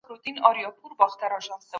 تاسي باید خپل سبق ووایاست.